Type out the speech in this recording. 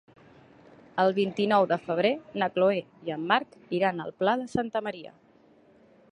El vint-i-nou de febrer na Chloé i en Marc iran al Pla de Santa Maria.